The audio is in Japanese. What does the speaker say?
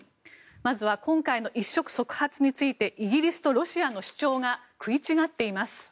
まずは今回の一触即発についてイギリスとロシアの主張が食い違っています。